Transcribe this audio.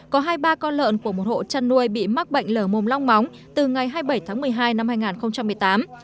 có hai mươi ba con lợn của một hộ chăn nuôi bị mắc bệnh lở mồm long móng từ ngày hai mươi bảy tháng một mươi hai năm hai nghìn một mươi tám